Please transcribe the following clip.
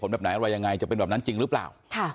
ว่าคุณแม่จะเป็นบอบนั้นจริงหรือเปล่า